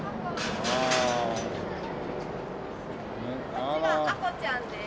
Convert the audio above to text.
こっちがアコちゃんです。